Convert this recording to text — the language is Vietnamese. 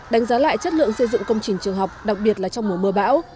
đánh giá lại chất lượng xây dựng công trình trường học đặc biệt là trong mùa mưa bão